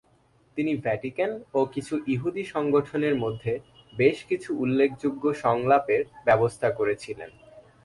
তিনি ভ্যাটিকান ও কিছু ইহুদী সংগঠনের মধ্যে বেশ কিছু উল্লেখযোগ্য সংলাপের ব্যবস্থা করেছিলেন।